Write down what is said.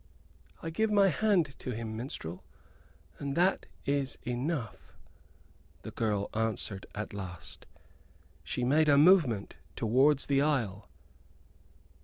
"I give my hand to him, minstrel, and that is enough," the girl answered at last. She made a movement towards the aisle.